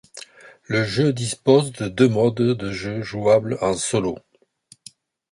Le jeu dispose de deux modes de jeu jouable en solo.